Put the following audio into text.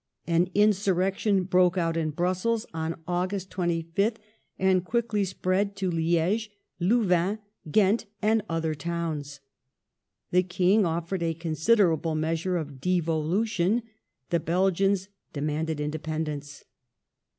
An insurrection broke out in Brussels on August 25th, and quickly spread to Liege, Louvain, Ghent, and other towns. The King offered a considerable measure of devolution, the Belgians demanded independence.